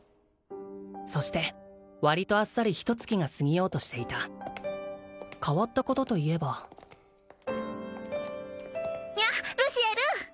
そしてわりとあっさりひと月が過ぎようとしていた変わったことといえばニャッルシエル！